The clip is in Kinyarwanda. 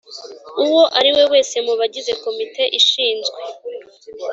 uwo ari we wese mu bagize Komite ishinzwe